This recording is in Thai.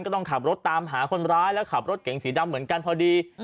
ก็ต้องขับรถตามหาคนร้ายแล้วขับรถเก๋งสีดำเหมือนกันพอดี